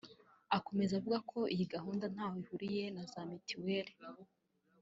Akomeza avuga ko iyi gahunda ntaho ihuriye na za Mitiweli